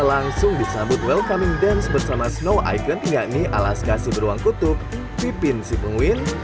langsung disambut welcoming dance bersama snow icon yakni alaskasi beruang kutub pipin si penguin